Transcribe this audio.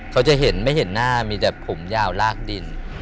เขาจะเห็นไม่เห็นหน้ามีแต่ผมยาวลากดิน